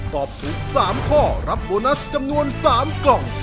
ตอบถูก๓ข้อรับโบนัสจำนวน๓กล่อง